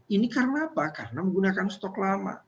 ini karena apa karena menggunakan stok lama